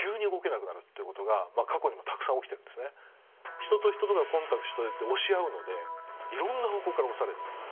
人と人とがコンタクトして押し合うのでいろいろな方向から押されます。